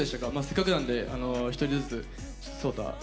せっかくなんで、１人ずつ。